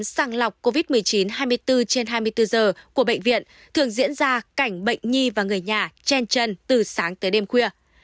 sàng lọc covid một mươi chín hai mươi bốn trên hai mươi bốn giờ của bệnh viện thường diễn ra cảnh bệnh nhi và người nhà chen chân từ sáng tới đêm khuya